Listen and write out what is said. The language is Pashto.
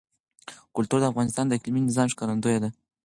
کلتور د افغانستان د اقلیمي نظام ښکارندوی ده.